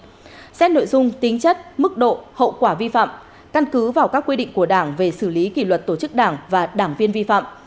xét nội dung tính chất mức độ hậu quả vi phạm căn cứ vào các quy định của đảng về xử lý kỷ luật tổ chức đảng và đảng viên vi phạm